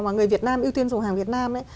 mà người việt nam ưu tiên dùng hàng việt nam